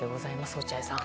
落合さん。